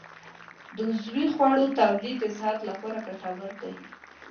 د عضوي خوړو تولید د صحت لپاره ګټور دی.